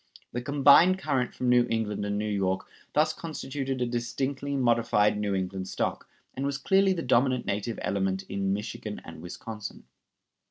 The combined current from New England and New York thus constituted a distinctly modified New England stock, and was clearly the dominant native element in Michigan and Wisconsin.